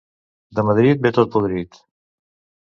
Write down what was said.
De Madrid ve tot podrit!